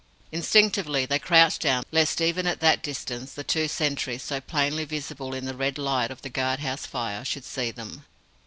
Instinctively they crouched down, lest even at that distance the two sentries, so plainly visible in the red light of the guard house fire, should see them.